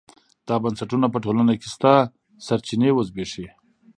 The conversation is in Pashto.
دا بنسټونه په ټولنه کې شته سرچینې وزبېښي.